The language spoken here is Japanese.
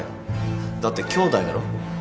だって兄弟だろ？